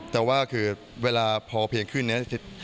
แต่ว่าคือเวลาพอเพียงขึ้นเนี่ย